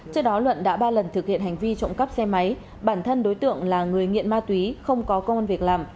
trước đó luận đã ba lần thực hiện hành vi trộm cắp xe máy bản thân đối tượng là người nghiện ma túy không có công an việc làm